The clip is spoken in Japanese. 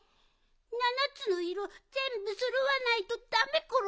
ななつのいろぜんぶそろわないとダメコロ。